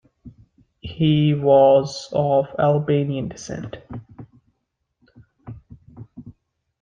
He was of Albanian descent.